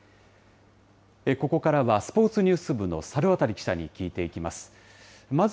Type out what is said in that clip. ここからはスポーツニュース部の猿渡記者に聞いていきます。